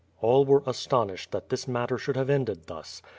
All were astonished that this matter should have ended thus.